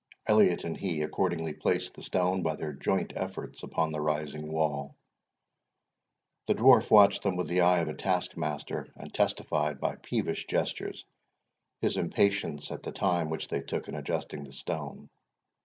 Elliot and he accordingly placed the stone, by their joint efforts, upon the rising wall. The Dwarf watched them with the eye of a taskmaster, and testified, by peevish gestures, his impatience at the time which they took in adjusting the stone.